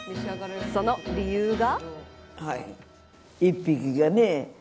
その理由が。